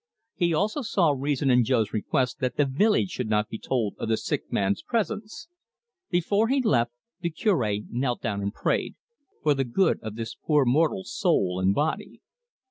He also saw reason in Jo's request that the village should not be told of the sick man's presence. Before he left, the Cure knelt down and prayed, "for the good of this poor mortal's soul and body."